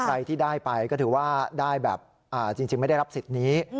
ใครที่ได้ไปก็ถือว่าได้แบบจริงไม่ได้รับสิทธิ์นี้